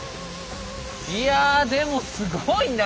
いやでもすごいな！